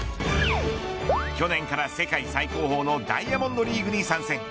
去年から世界最高峰のダイヤモンドリーグに参戦。